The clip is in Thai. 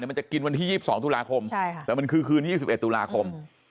มันจะกินวันที่๒๒ตุลาคมแต่มันคือคืน๒๑ตุลาคม